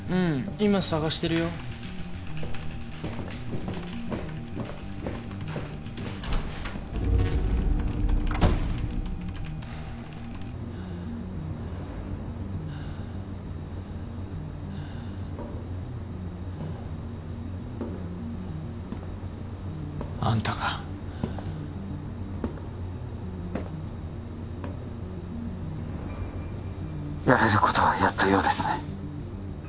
今捜してるよあんたかやれることはやったようですね